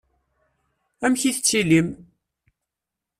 Amek i tettilim?